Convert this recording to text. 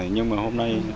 nhưng mà hôm nay